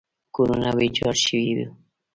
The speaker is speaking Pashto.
کورونه ویجاړ شوي وو.